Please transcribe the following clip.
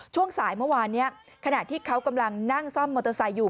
ช่วงสายเมื่อวานนี้ขณะที่เขากำลังนั่งซ่อมมอเตอร์ไซค์อยู่